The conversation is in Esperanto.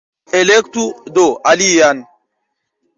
Elektu do alian!